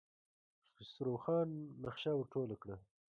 خسرو خان نخشه ور ټوله کړه.